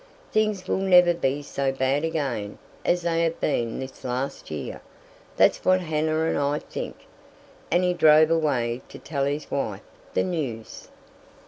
Things will never be so bad again as they have been this last year; that's what Hannah and I think;" and he drove away to tell his wife the news.